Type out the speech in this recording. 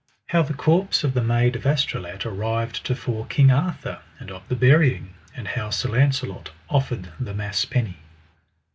How the corpse of the Maid of Astolat arrived to fore King Arthur, and of the burying, and how Sir Launcelot offered the mass penny.